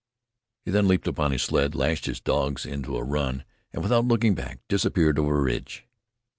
He then leaped upon his sled, lashed his dogs into a run, and without looking back disappeared over a ridge.